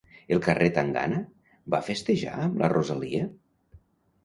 El carrer Tangana va festejar amb la Rosalía?